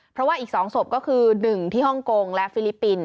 เพราะว่าอีก๒ศพก็คือ๑ที่ฮ่องกงและฟิลิปปินส